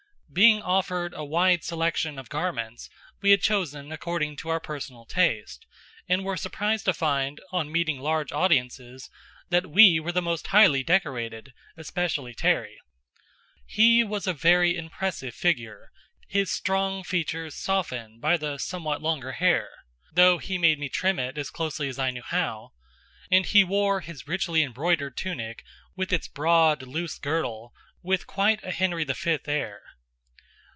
Being offered a wide selection of garments, we had chosen according to our personal taste, and were surprised to find, on meeting large audiences, that we were the most highly decorated, especially Terry. He was a very impressive figure, his strong features softened by the somewhat longer hair though he made me trim it as closely as I knew how; and he wore his richly embroidered tunic with its broad, loose girdle with quite a Henry V air.